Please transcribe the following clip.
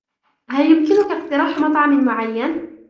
هل يمكنك اقتراح مطعم معين؟